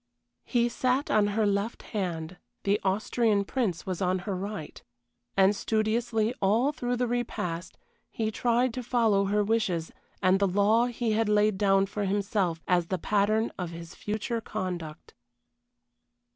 He sat on her left hand the Austrian Prince was on her right and studiously all through the repast he tried to follow her wishes and the law he had laid down for himself as the pattern of his future conduct.